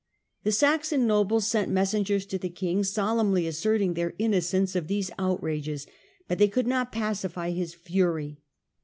The Saxon nobles sent messengers to the king, solemnly asserting their innocence of these outrages ; but they could not pacify his fury.